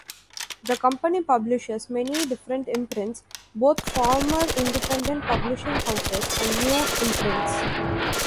The company publishes many different imprints, both former independent publishing houses and new imprints.